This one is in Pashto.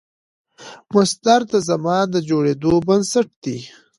مصدر د زمان د جوړېدو بنسټ دئ.